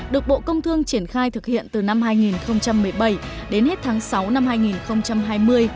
được bộ công thương triển khai thực hiện từ năm hai nghìn một mươi bảy đến hết tháng sáu năm hai nghìn hai mươi